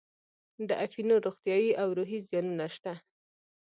د اپینو روغتیایي او روحي زیانونه شته.